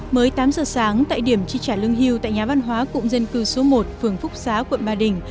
mới tám giờ sáng tại điểm chi trả lương hưu tại nhà văn hóa cụm dân cư số một phường phúc xá quận ba đình